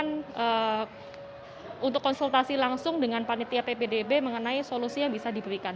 dan juga untuk melakukan konsultasi langsung dengan panitia ppdb mengenai solusi yang bisa diberikan